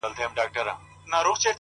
زيرى د ژوند”